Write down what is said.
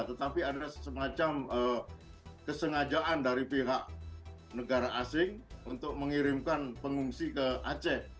tetapi ada semacam kesengajaan dari pihak negara asing untuk mengirimkan pengungsi ke aceh